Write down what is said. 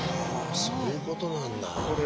そういうことなんだ。